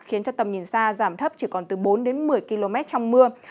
khiến cho tầm nhìn xa giảm thấp chỉ còn từ bốn đến một mươi km trong mưa